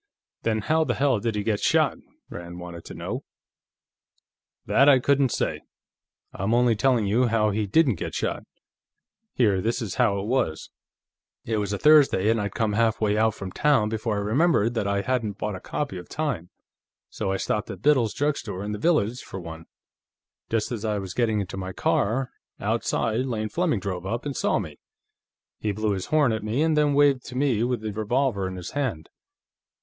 "Then how the hell did he get shot?" Rand wanted to know. "That I couldn't say; I'm only telling you how he didn't get shot. Here, this is how it was. It was a Thursday, and I'd come halfway out from town before I remembered that I hadn't bought a copy of Time, so I stopped at Biddle's drugstore, in the village, for one. Just as I was getting into my car, outside, Lane Fleming drove up and saw me. He blew his horn at me, and then waved to me with this revolver in his hand.